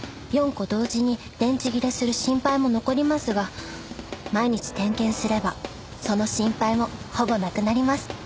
４個同時に電池切れする心配も残りますが毎日点検すればその心配もほぼなくなります。